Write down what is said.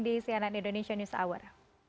di cnn indonesia news hour